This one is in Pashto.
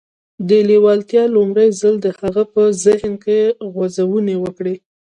دې لېوالتیا لومړی ځل د هغه په ذهن کې غځونې وکړې.